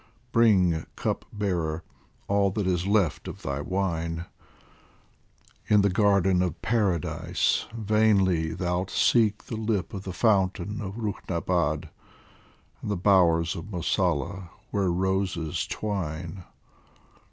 Bring, Cup bearer, all that is left of thy wine ! POEMS FROM THE In the Garden of Paradise vainly thou'lt seek The lip of the fountain of Ruknabad, And the bowers of Mosalla where roses twine.